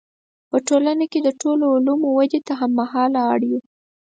په ټولنه کې د ټولو علومو ودې ته هم مهاله اړ یو.